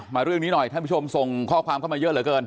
เรื่องนี้หน่อยท่านผู้ชมส่งข้อความเข้ามาเยอะเหลือเกิน